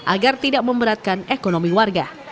agar tidak memberatkan ekonomi warga